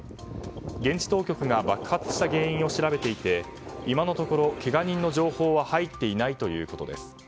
現地当局が爆発した原因を調べていて今のところ、けが人の情報は入っていないということです。